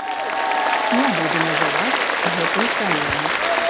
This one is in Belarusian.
Не буду называць гэтую краіну.